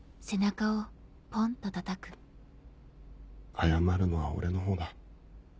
謝るのは俺の方だ。